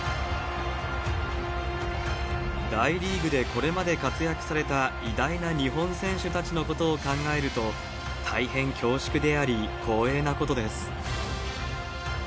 大リーグでこれまで活躍された偉大な日本選手たちのことを考えると、大変恐縮であり、光栄なことです。